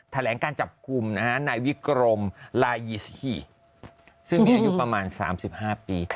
แถลงการจับกลุ่มในวิกรมลายีซิฮีซึ่งอายุประมาณ๓๕ปี